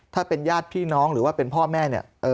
ถ้าเป็นญาติพี่น้องหรือว่าเป็นพ่อแม่เนี่ย